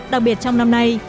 đặc biệt trong năm nay